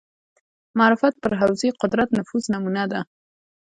معرفت پر حوزې قدرت نفوذ نمونه ده